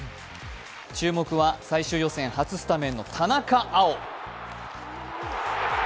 注目は最終予選初スタメンの田中碧。